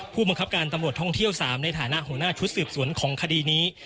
ผู้บังคับการตำรวจท่องเที่ยว๓ในฐานะหัวหน้าชุดสืบสวนของคดีนี้